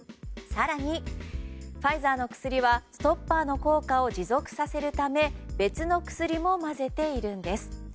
更に、ファイザーの薬はストッパーの効果を持続させるため別の薬も混ぜているんです。